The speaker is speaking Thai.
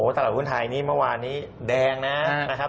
ตลาดหุ้นไทยนี่เมื่อวานนี้แดงนะครับ